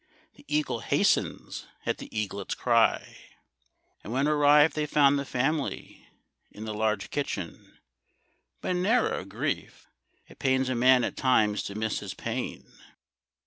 The eagle hastens at the eaglet's cry. And when arrived they found the family In the large kitchen, but in ne'er a grief. It pains a man at times to miss his pain.